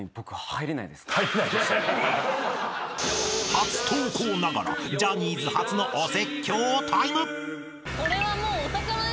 ［初登校ながらジャニーズ初のお説教タイム］